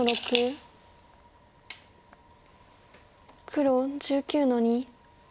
黒１９の二。